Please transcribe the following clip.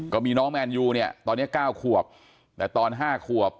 ก็มีน้องแมนยูเนี่ยตอนนี้๙ขวบแต่ตอน๕ขวบ